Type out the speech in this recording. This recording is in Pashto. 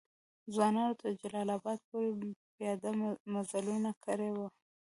ځوانانو تر جلال آباد پوري پیاده مزلونه کړي وو.